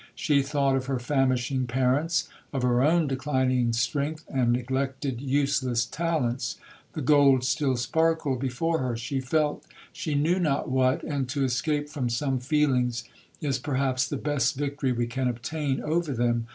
—She thought of her famishing parents,—of her own declining strength, and neglected useless talents. The gold still sparkled before her,—she felt—she knew not what, and to escape from some feelings is perhaps the best victory we can obtain over them.